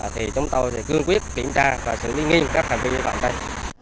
thì chúng tôi cương quyết kiểm tra và xử lý nghiêm cấp hành vi với bản thân